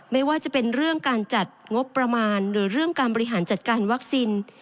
ไม่ว่าจะเป็นเรื่องการจัดงบประมาณหรือเรื่องการบริหารจัดการวัคซีน